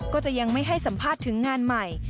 ก็จะยังไม่ให้สัมภาษณ์ถึงงานใหม่